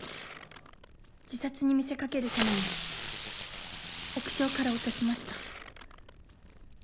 自殺に見せ掛けるために屋上から落としました。